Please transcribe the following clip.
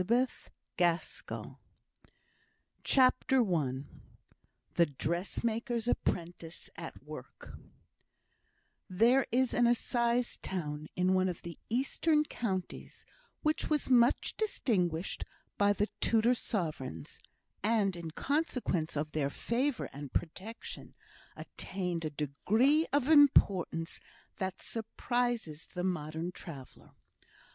Phineas Fletcher CHAPTER I The Dressmaker's Apprentice at Work There is an assize town in one of the eastern counties which was much distinguished by the Tudor sovereigns, and, in consequence of their favour and protection, attained a degree of importance that surprises the modern traveller.